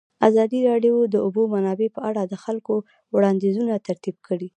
ازادي راډیو د د اوبو منابع په اړه د خلکو وړاندیزونه ترتیب کړي.